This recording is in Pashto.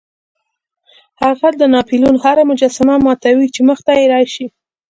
هغه د ناپلیون هره مجسمه ماتوي چې مخې ته راشي.